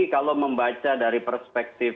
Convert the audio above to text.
kalau membaca dari perspektif